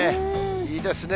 いいですね。